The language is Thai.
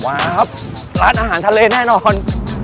มาครับร้านอาหารทะเลแน่นอน